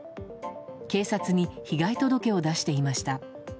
警察に被害届を出していました。